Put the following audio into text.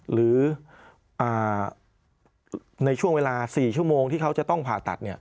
หรือในช่วงเวลา๔ชั่วโมงที่เขาจะต้องผ่าตัด